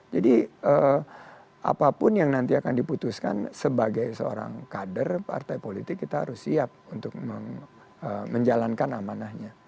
jadi apapun yang nanti akan diputuskan sebagai seorang kader partai politik kita harus siap untuk menjalankan amanahnya